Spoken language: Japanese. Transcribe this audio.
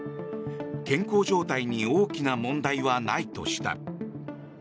健康状態に大きな問題はないとした。